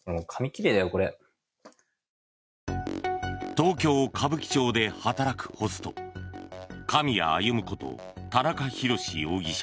東京・歌舞伎町で働くホスト狼谷歩こと田中裕志容疑者